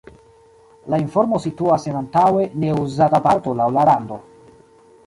La informo situas en antaŭe ne-uzata parto laŭ la rando.